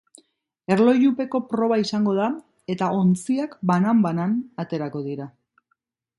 Erlojupeko proba izango da eta ontziak banan-banan aterako dira.